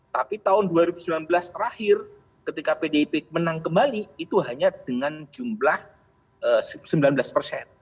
tapi tahun dua ribu sembilan belas terakhir ketika pdip menang kembali itu hanya dengan jumlah sembilan belas persen